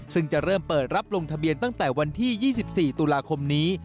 ซึ่งจะเริ่มเปิดรับลงทะเบียนตั้งแต่วันที่๒๔ตุลาคมนี้